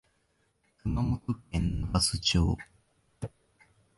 熊本県長洲町